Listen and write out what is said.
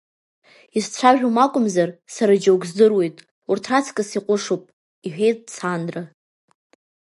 Изцәажәом акәымзар, сара џьоук здыруеит, урҭ раҵкыс иҟәышуп, — иҳәеит Сандра.